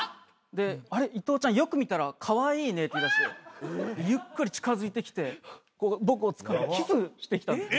で「あれ伊藤ちゃんよく見たらカワイイね」って言いだしてゆっくり近づいてきて僕をつかんでキスしてきたんです。